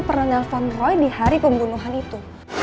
pernah fun roy di hari pembunuhan itu